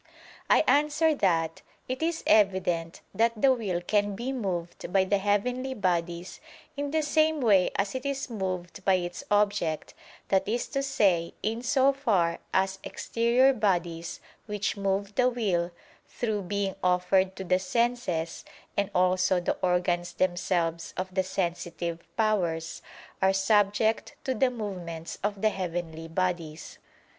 I answer that, It is evident that the will can be moved by the heavenly bodies in the same way as it is moved by its object; that is to say, in so far as exterior bodies, which move the will, through being offered to the senses, and also the organs themselves of the sensitive powers, are subject to the movements of the heavenly bodies.